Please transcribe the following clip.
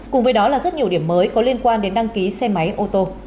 cùng với đó là rất nhiều điểm mới có liên quan đến đăng ký xe máy ô tô